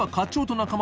仲間）